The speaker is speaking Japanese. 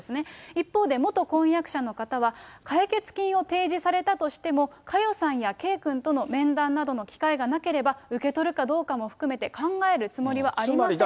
一方で、元婚約者の方は、解決金を提示されたとしても、佳代さんや圭君との面談などの機会がなければ、受け取るかどうかも含めて考えるつもりはありませんと。